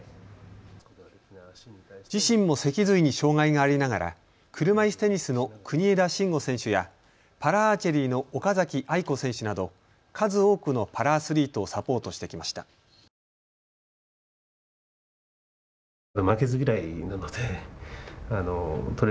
自身も脊髄に障害がありながら車いすテニスの国枝慎吾選手やパラアーチェリーの岡崎愛子選手など数多くのパラアスリートをサポートしてきました。